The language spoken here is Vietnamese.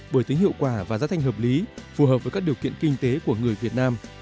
bởi tính hiệu quả và giá thành hợp lý phù hợp với các điều kiện kinh tế của người việt nam